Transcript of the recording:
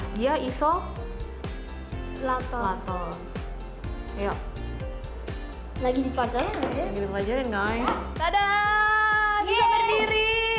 silahkan untuk memasang kabar